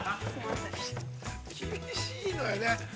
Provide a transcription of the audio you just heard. ◆厳しいのよね。